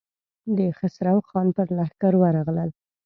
د خسرو خان پر لښکر ورغلل.